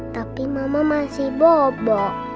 tapi mama masih bobok